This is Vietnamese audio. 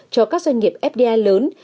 cho các doanh nghiệp fdi lớn